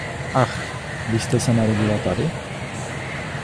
Ach, vy jste se narodila tady?